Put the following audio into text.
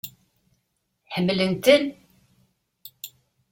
Ḥemmlent-ten?